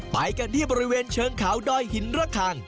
ไปกันที่บริเวณเชิงเขาดอยหินระคัง